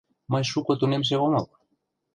Мый шуко тунемше омыл.